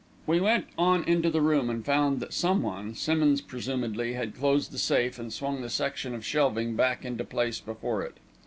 We went on into the room, and found that some one, Simmonds presumably, had closed the safe and swung the section of shelving back into place before it.